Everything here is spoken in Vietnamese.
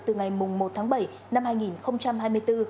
từ ngày một tháng bảy năm hai nghìn hai mươi bốn